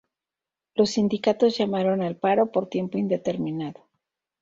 Los sindicatos llamaron al paro por tiempo indeterminado.